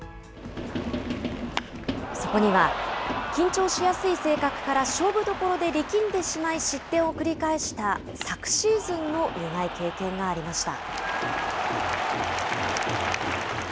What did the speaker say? そこには、緊張しやすい性格から勝負どころで力んでしまい、失点を繰り返した昨シーズンの苦い経験がありました。